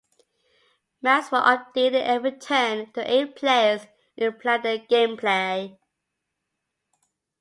Maps were updated every turn to aid players in planning their gameplay.